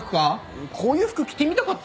こういう服着てみたかった。